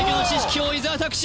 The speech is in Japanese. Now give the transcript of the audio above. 王伊沢拓司